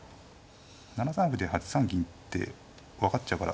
７三歩で８三銀って分かっちゃうから。